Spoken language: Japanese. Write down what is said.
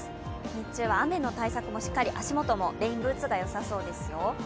日中は雨の対策もしっかり、足元もレインブーツがよさそうですよ。